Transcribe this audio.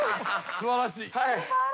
素晴らしい。